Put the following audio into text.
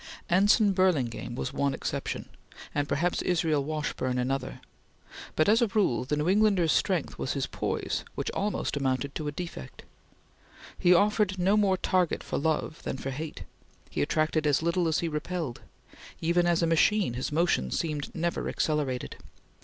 Anson Burlingame was one exception, and perhaps Israel Washburn another; but as a rule the New Englander's strength was his poise which almost amounted to a defect. He offered no more target for love than for hate; he attracted as little as he repelled; even as a machine, his motion seemed never accelerated.